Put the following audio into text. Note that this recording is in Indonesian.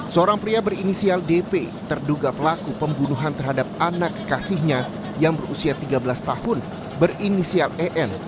seorang pria berinisial dp terduga pelaku pembunuhan terhadap anak kekasihnya yang berusia tiga belas tahun berinisial en